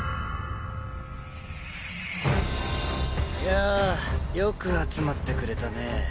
やあよく集まってくれたね。